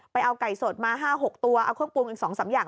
เอาไก่สดมา๕๖ตัวเอาเครื่องปรุงอีก๒๓อย่าง